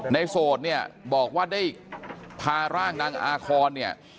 โสดเนี่ยบอกว่าได้พาร่างนางอาคอนเนี่ย